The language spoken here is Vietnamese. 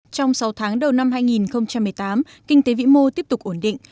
trong sáu tháng đầu năm hai nghìn một mươi tám kinh tế vĩ mô tiếp tục ổn định